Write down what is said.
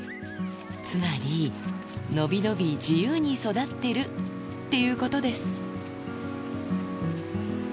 つまり、伸び伸び自由に育ってるっていうことです。